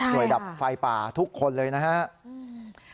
โดยดับไฟป่าทุกคนเลยนะครับ